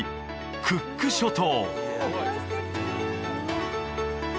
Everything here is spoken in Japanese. クック諸島